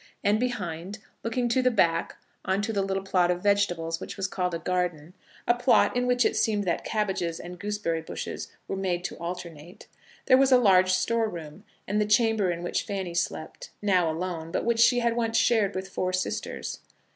And behind, looking to the back on to the little plot of vegetables which was called the garden, a plot in which it seemed that cabbages and gooseberry bushes were made to alternate, there was a large store room, and the chamber in which Fanny slept, now alone, but which she had once shared with four sisters.